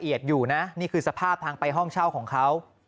อยู่นะนี่คือสภาพทางไปห้องเช่าของเขา